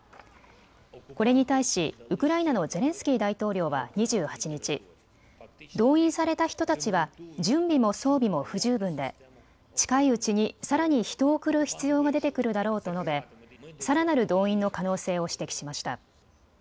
これに対しウクライナのゼレンスキー大統領は２８日、動員された人たちは準備も装備も不十分で近いうちにさらに人を送る必要が出てくるだろうと述べさらなる動員の可能性を指摘しました。